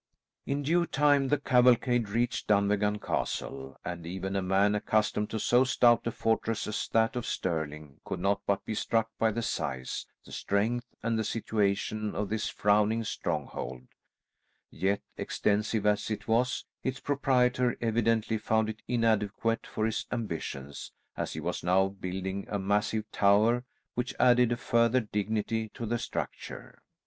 In due time the cavalcade reached Dunvegan Castle, and even a man accustomed to so stout a fortress as that of Stirling could not but be struck by the size, the strength, and the situation of this frowning stronghold; yet, extensive as it was, its proprietor evidently found it inadequate for his ambitions, as he was now building a massive tower which added a further dignity to the structure.